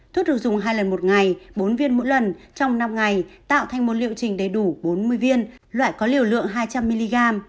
thuốc được dùng hai lần một ngày bốn viên mỗi lần trong năm ngày tạo thành một liệu trình đầy đủ bốn mươi viên loại có liều lượng hai trăm linh mg